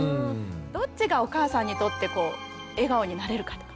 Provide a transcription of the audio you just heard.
どっちがお母さんにとってこう笑顔になれるかとか。